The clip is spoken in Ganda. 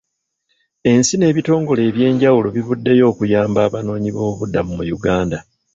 Ensi n'ebitongole eby'enjawulo bivuddeyo okuyamba abanoonyi b'obubuddamu mu Uganda.